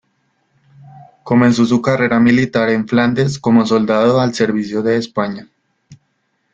Comenzó su carrera militar en Flandes como soldado al servicio de España.